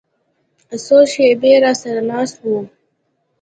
څو شېبې راسره ناست و.